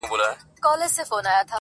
له شاتو نه، دا له شرابو نه شکَري غواړي.